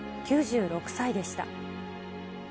９６歳でした。